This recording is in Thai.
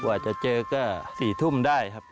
กว่าจะเจอก็๔ทุ่มได้ครับ